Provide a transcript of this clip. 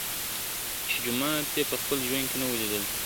چي جومات یې په خپل ژوند نه وو لیدلی ..